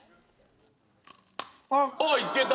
あっいけた！